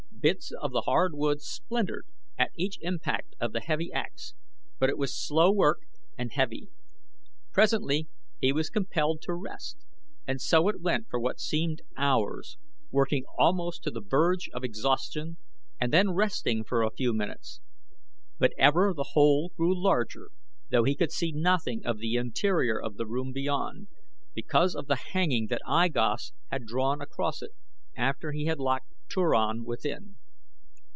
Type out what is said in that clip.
Bits of the hard wood splintered at each impact of the heavy axe, but it was slow work and heavy. Presently he was compelled to rest, and so it went for what seemed hours working almost to the verge of exhaustion and then resting for a few minutes; but ever the hole grew larger though he could see nothing of the interior of the room beyond because of the hanging that I Gos had drawn across it after he had locked Turan within.